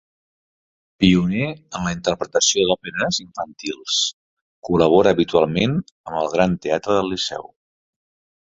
Pioner en la interpretació d'òperes infantils, col·labora habitualment amb el Gran Teatre del Liceu.